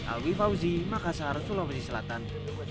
alwi fauzi makassar sulawesi selatan